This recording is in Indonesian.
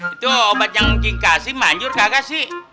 itu obat yang ging kasih manjur kaga sih